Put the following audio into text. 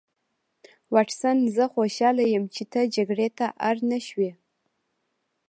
واټسن زه خوشحاله یم چې ته جګړې ته اړ نشوې